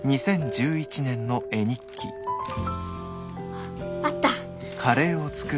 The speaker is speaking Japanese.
あっあった。